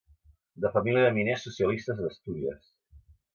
De família de miners socialistes d’Astúries.